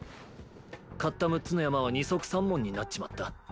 買った６つの山は二束三文になっちまった。